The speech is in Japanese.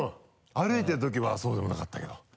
歩いてるときはそうでもなかったけど。